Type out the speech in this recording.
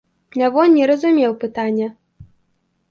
Лявон не разумеў пытання.